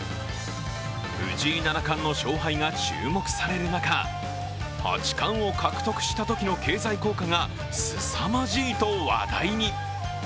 藤井七冠の勝敗が注目される中八冠を獲得したときの経済効果がすさまじいと話題に。